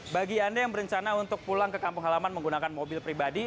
bagi anda yang berencana untuk pulang ke kampung halaman menggunakan mobil pribadi